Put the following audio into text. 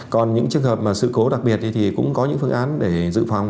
còn những trường hợp mà sự cố đặc biệt thì cũng có những phương án để dự phòng